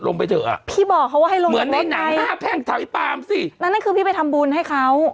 ลงไปเถอะอ่ะเหมือนในหนังห้าแพงเถอะไอ้ปามสิแล้วนั่นคือพี่ไปทำบุญให้เขา